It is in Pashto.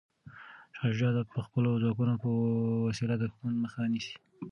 شاه شجاع به د خپلو ځواکونو په وسیله د دښمن مخه نیسي.